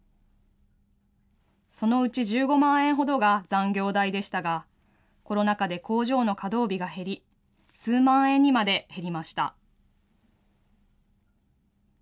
そのうち１５万円ほどが残業代でしたが、コロナ禍で工場の稼働日が減り、数万円にまで減りました。